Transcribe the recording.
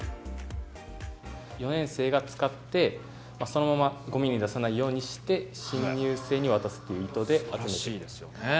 ４年生が使って、そのまま、ごみに出さないようにして、新入生に渡すという意図で集めて。